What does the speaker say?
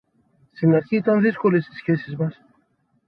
Στην αρχή ήταν δύσκολες οι σχέσεις μας